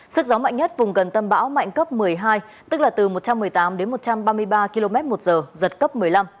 sức gió mạnh nhất vùng gần tâm bão mạnh cấp một mươi hai tức là từ một trăm một mươi tám đến một trăm ba mươi ba km một giờ giật cấp một mươi năm